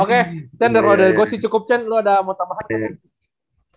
oke cender udah gua sih cukup cend lu ada mau tambahan apa